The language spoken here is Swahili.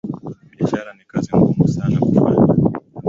Biashara ni kazi ngumu sana kufanya